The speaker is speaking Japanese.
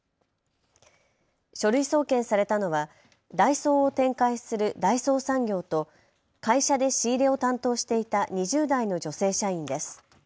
書類送検されたのはダイソーを展開する大創産業と会社で仕入れを担当していた２０代の女性社員です。